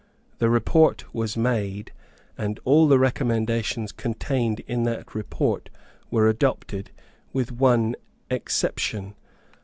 The report was made; and all the recommendations contained in that report were adopted, with one exception.